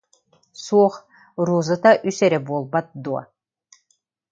Суох, розата үс эрэ буолбат дуо